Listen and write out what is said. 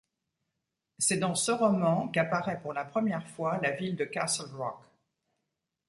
C'est dans ce roman qu'apparaît pour la première fois la ville de Castle Rock.